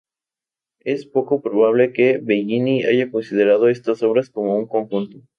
Es poco probable que Bellini haya considerado estas obras como un conjunto.